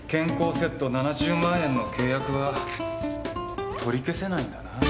７０万円の契約は取り消せないんだな。